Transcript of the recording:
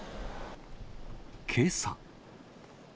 けさ。